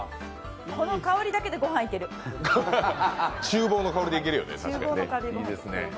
この香りだけで、ご飯いけるちゅう房の香りでいけるよね。